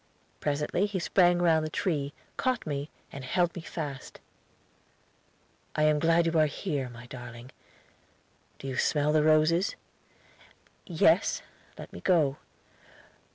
Presently he sprang round the tree, caught me, and held me fast. "I am glad you are here, my darling. Do you smell the roses?" "Yes; let me go."